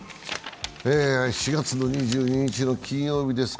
４月２２日の金曜日です。